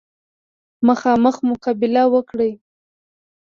مخامخ مقابله وکړي.